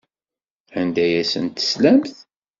Anda ay asen-teslamt?